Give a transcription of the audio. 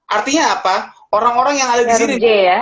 artinya apa orang orang yang ada disini